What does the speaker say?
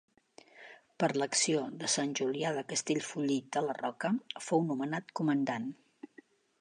Per l'acció de Sant Julià de Castellfollit de la Roca, fou nomenat comandant.